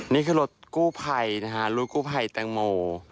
นี่คือรถกู้ไพรถกู้ไพแตงโม